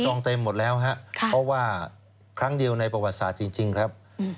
เต็มหมดแล้วครับเพราะว่าครั้งเดียวในประวัติศาสตร์จริงครับ